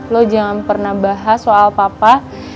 lo jangan pernah bahas soal papa